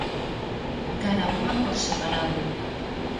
¿Cada unha por separado?